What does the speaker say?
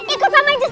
ikut sama inces